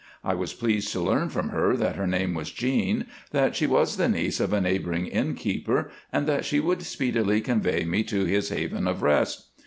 I was pleased to learn from her that her name was "Jean," that she was the niece of a neighbouring innkeeper, and that she would speedily convey me to his haven of rest.